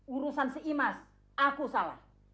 urusan si imas aku salah